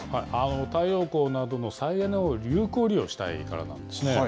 太陽光などの再エネを有効利用したいからなんですね。